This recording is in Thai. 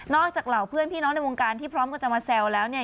จากเหล่าเพื่อนพี่น้องในวงการที่พร้อมกันจะมาแซวแล้วเนี่ย